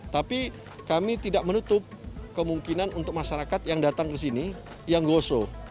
tapi kami tidak menutup kemungkinan untuk masyarakat yang datang ke sini yang goso